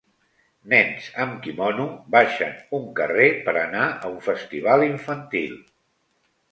Nens amb quimono baixen un carrer per anar a un festival infantil.